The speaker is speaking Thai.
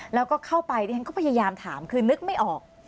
แล้วก็เข้าไปดิฉันก็พยายามถามคือนึกไม่ออก